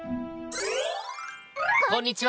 こんにちは！